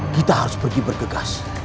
kita harus pergi bergegas